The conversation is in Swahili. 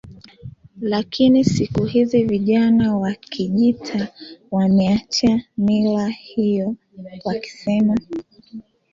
Lakini siku hizi vijana wa Kijita wameacha mila hiyo wakisema